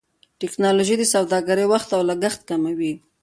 ټکنالوژي د سوداګرۍ وخت او لګښت کموي.